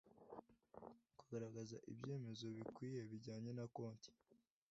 kugaragaza ibyemezo bikwiye bijyanye na konti